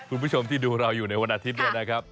คุณผู้ชมที่ดูเราอยู่ในวันอาทิตย์เนี่ยนะครับ